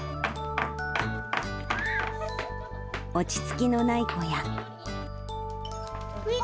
落ち着きのない子や。